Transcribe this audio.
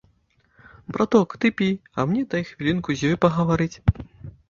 Браток, ты пі, а мне дай хвілінку з ёй пагаварыць.